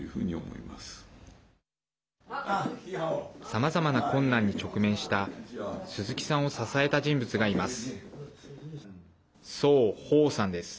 さまざまな困難に直面した鈴木さんを支えた人物がいます。